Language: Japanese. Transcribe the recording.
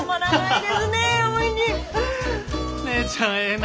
ねえちゃんええな！